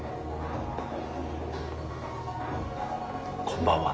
こんばんは。